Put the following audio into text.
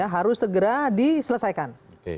harus segera diselesaikan